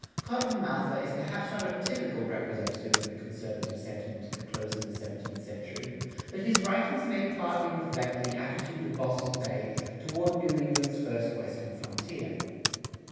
"[63:3] Cotton Mather is perhaps not a typical representative of the conservative sentiment at the close of the seventeenth century, but his writings may partly reflect the attitude of Boston Bay toward New England's first Western frontier.